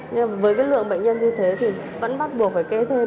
nhưng mà với cái lượng bệnh nhân như thế thì vẫn bắt buộc phải kê thêm